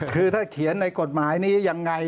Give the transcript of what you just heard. คือถ้าเขียนในกฎหมายนี้ยังไง